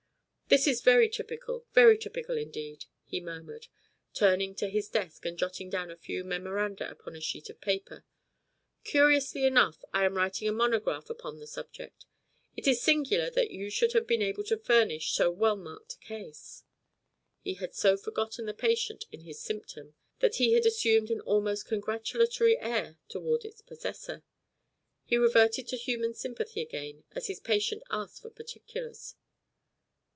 "This is very typical very typical indeed," he murmured, turning to his desk and jotting down a few memoranda upon a sheet of paper. "Curiously enough, I am writing a monograph upon the subject. It is singular that you should have been able to furnish so well marked a case." He had so forgotten the patient in his symptom, that he had assumed an almost congratulatory air towards its possessor. He reverted to human sympathy again, as his patient asked for particulars.